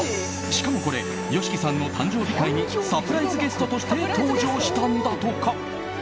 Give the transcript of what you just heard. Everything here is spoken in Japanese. しかもこれＹＯＳＨＩＫＩさんの誕生日会にサプライズゲストとして登場したんだとか。